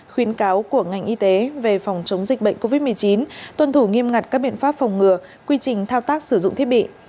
khuyến cáo của ngành y tế về phòng chống dịch bệnh covid một mươi chín tuân thủ nghiêm ngặt các biện pháp phòng ngừa quy trình thao tác sử dụng thiết bị